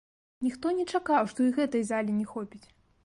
Ніхто не чакаў, што і гэтай залі не хопіць!